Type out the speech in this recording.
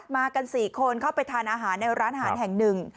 มากัน๔คนเข้าไปทานอาหารในร้านอาหารแห่งหนึ่ง